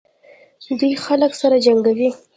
دوی خلک سره جنګوي.